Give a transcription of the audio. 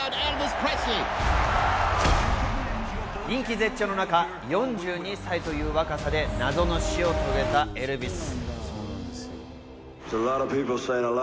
人気絶頂の中、４２歳という若さで謎の死をとげたエルヴィス。